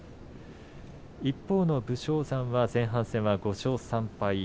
一方の武将山は前半戦５勝３敗。